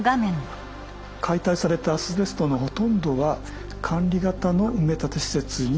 解体されたアスベストのほとんどは管理型の埋め立て施設に運ばれます。